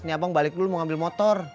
nih abang balik dulu mau ambil motor